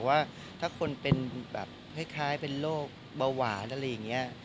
ว่าถ้าคนเป็นแบบคล้ายเป็นโรคเบาหวานอะไรอย่างนี้